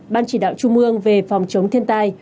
ban chỉ đạo trung ương về phòng chống thiên tai